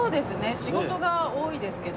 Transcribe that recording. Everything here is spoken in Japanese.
仕事が多いですけど。